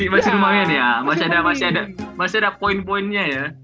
masih lumayan ya masih ada masih ada poin poinnya ya